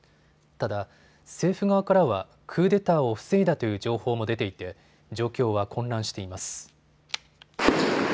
ただ政府側からはクーデターを防いだという情報も出ていて状況は混乱しています。